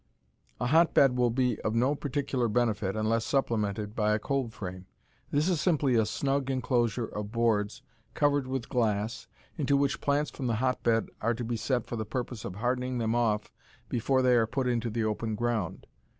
A hotbed will be of no particular benefit unless supplemented by a cold frame. This is simply a snug inclosure of boards covered with glass, into which plants from the hotbed are to be set for the purpose of hardening them off before they are put into the open ground.